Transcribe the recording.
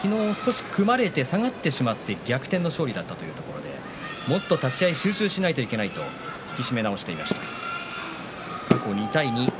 昨日、組まれて逆転の勝利だったということでもっと立ち合い集中しないといけないと気を引き締め直していました。